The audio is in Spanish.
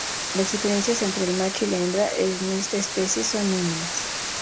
Las diferencias entre el macho y la hembra en esta especie son mínimas.